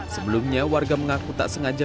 sebelumnya warga mengaku tak sengaja